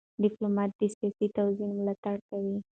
ډيپلومات د سیاسي توازن ملاتړ کوي.